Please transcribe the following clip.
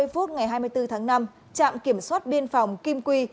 một mươi ba h ba mươi phút ngày hai mươi bốn tháng năm trạm kiểm soát biên phòng kim quy